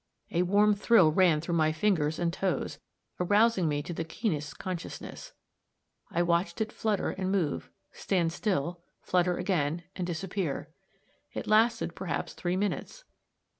A warm thrill ran through my fingers and toes, arousing me to the keenest consciousness. I watched it flutter and move stand still flutter again and disappear. It lasted perhaps three minutes.